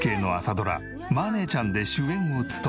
ドラ『マー姉ちゃん』で主演を務め。